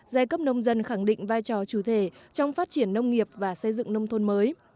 giai cấp nông dân khẳng định vai trò chủ thể trong phát triển nông nghiệp và xây dựng nông thôn mới